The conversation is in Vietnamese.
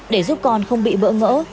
để giúp con không bị bỡ ngỡ